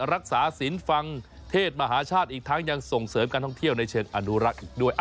รักษาศิลป์ฟังเทศมหาชาติอีกทั้งยังส่งเสริมการท่องเที่ยวในเชิงอนุรักษ์อีกด้วย